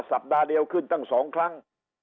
สัปดาห์เดียวขึ้นตั้ง๒ครั้ง